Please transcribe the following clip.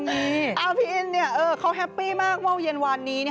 เอาพี่อินเขาแฮปปี้มากว่าเย็นวานนี้